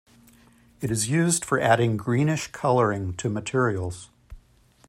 It is used for adding greenish coloring to materials.